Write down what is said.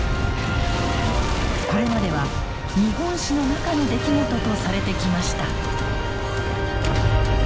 これまでは日本史の中の出来事とされてきました。